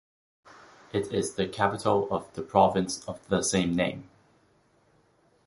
It is the capital of the province of the same name.